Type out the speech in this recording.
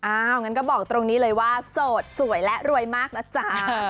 งั้นก็บอกตรงนี้เลยว่าโสดสวยและรวยมากนะจ๊ะ